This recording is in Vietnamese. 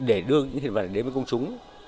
để đưa những hiện vật đến với công chúng